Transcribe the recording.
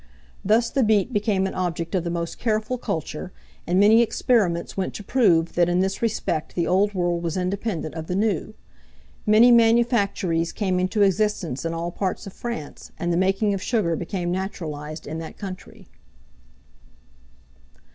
Thus the beet became an object of the most careful culture; and many experiments went to prove that in this respect the old world was independent of the new. Many manufactories came into existence in all parts of France, and the making of sugar became naturalized in that country.